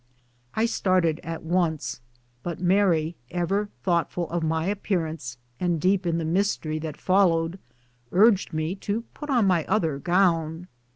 I started at once, but Mary, ever thoughtful of my appearance, and deep in the mystery that followed, urged me to put on my THE BURNING OF OUR QUARTERS. 119 other gown.